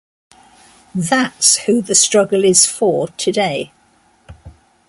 That's who the struggle is for today.